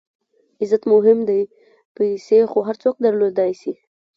عزت مهم دئ، پېسې خو هر څوک درلودلای سي.